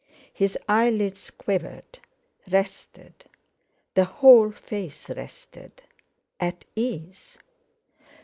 His eyelids quivered, rested; the whole face rested; at ease.